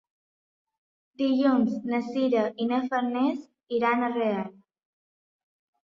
Dilluns na Sira i na Farners iran a Real.